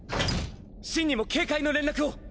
シンにも警戒の連絡を。